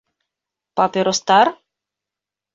Папиростар!?